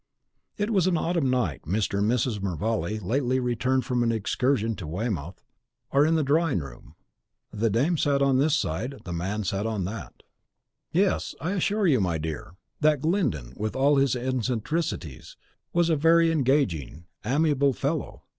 It was an autumn night. Mr. and Mrs. Mervale, lately returned from an excursion to Weymouth, are in the drawing room, "the dame sat on this side, the man sat on that." "Yes, I assure you, my dear, that Glyndon, with all his eccentricities, was a very engaging, amiable fellow.